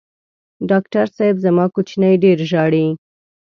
ډاکټر صېب زما کوچینی ډېر ژاړي